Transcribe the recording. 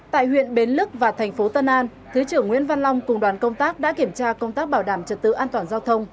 tại huyện bến lức và thành phố tân an thứ trưởng nguyễn văn long cùng đoàn công tác đã kiểm tra công tác bảo đảm trật tự an toàn giao thông